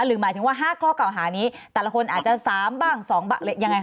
หรือหมายถึงว่า๕ข้อกล่าวหานี้แต่ละคนอาจจะ๓บ้าง๒บัตรเล็กยังไงค่ะ